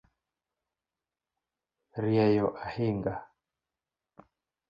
Rieyo ahinga